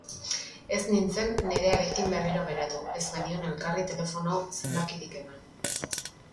Ez nintzen Nerearekin berriro geratu, ez genion elkarri telefono zenbakirik eman.